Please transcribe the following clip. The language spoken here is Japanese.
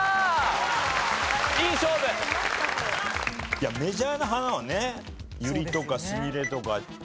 いやメジャーな花はねユリとかスミレとか。